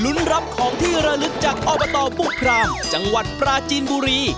รับของที่ระลึกจากอบตบุพรามจังหวัดปราจีนบุรี